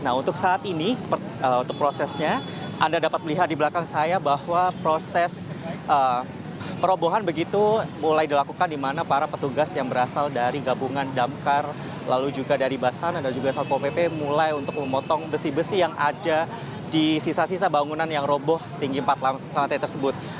nah untuk saat ini untuk prosesnya anda dapat melihat di belakang saya bahwa proses perobohan begitu mulai dilakukan di mana para petugas yang berasal dari gabungan damkar lalu juga dari basan dan juga satpol pp mulai untuk memotong besi besi yang ada di sisa sisa bangunan yang roboh setinggi empat lantai tersebut